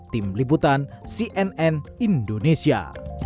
tim liputan cnn indonesia